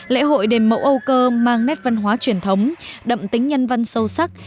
lễ hội đền mẫu âu cơ mang nét văn hóa truyền thống đậm tính nhân văn sâu sắc